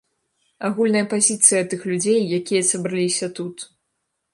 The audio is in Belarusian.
Агульная пазіцыя тых людзей, якія сабраліся тут.